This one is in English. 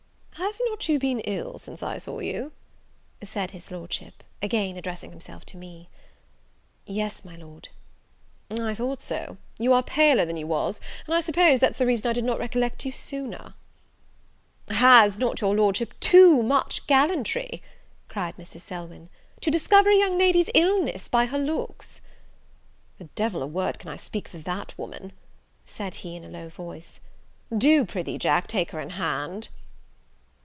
"Have not you been ill since I saw you?" said his Lordship, again addressing himself to me. "Yes, my Lord." "I thought so; you are paler than you was, and I suppose that's the reason I did not recollect you sooner." "Has not your Lordship too much gallantry," cried Mrs. Selwyn, "to discover a young lady's illness by her looks?" "The devil a word can I speak for that woman," said he, in a low voice; "do, prithee, Jack, take her in hand."